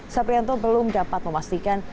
saprianto belum dapat memastikan